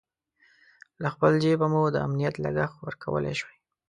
له خپل جېبه مو د امنیت لګښت ورکولای شوای.